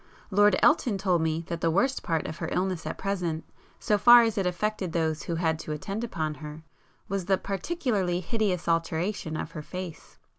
Lord Elton told me that the worst part of her illness at present, so far as it affected those who had to attend upon her, was the particularly hideous alteration of her face.